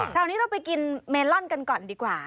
คราวนี้เราไปกินเมลอนกันก่อนดีกว่า